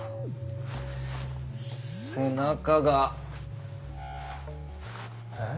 背中が。え？